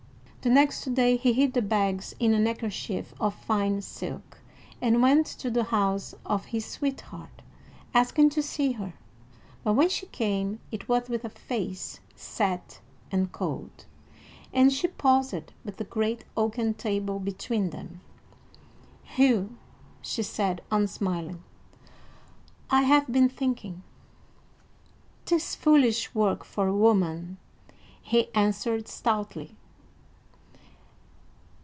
The next day he hid the bags in a neckerchief of fine silk, and went to the house of his sweetheart, asking to see her; but when she came, it was with a face set and cold, and she paused with the great oaken table between them. "Hugh," she said, unsmiling, "I have been thinking." "'Tis foolish work for a woman," he answered stoutly.